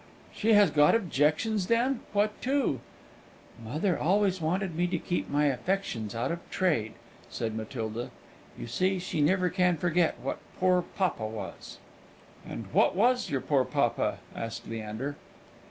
"She has got objections, then? What to?" "Mother always wanted me to keep my affections out of trade," said Matilda. "You see, she never can forget what poor papa was." "And what was your poor papa?" asked Leander.